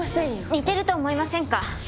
似てると思いませんか？